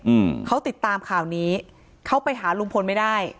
อืมเขาติดตามข่าวนี้เขาไปหาลุงพลไม่ได้